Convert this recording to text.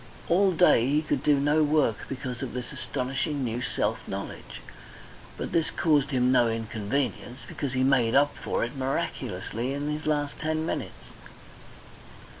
All day he could do no work because of this astonishing new self knowledge, but this caused him no inconvenience, because he made up for it miraculously in his last ten minutes.